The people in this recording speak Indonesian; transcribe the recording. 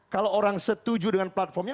kalau orang setuju dengan platformnya